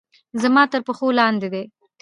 زما تر پښو لاندې دي